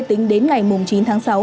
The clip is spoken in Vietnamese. tính đến ngày chín tháng sáu